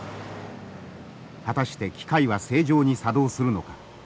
果たして機械は正常に作動するのか。